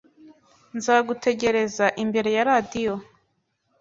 Nzagutegereza imbere ya radio